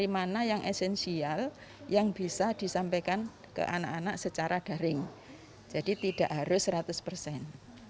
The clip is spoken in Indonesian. mana yang esensial yang bisa disampaikan ke anak anak secara daring jadi tidak harus seratus persen